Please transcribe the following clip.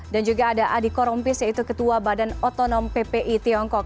dan juga ada adi korompis yaitu ketua badan otonom ppi tiongkok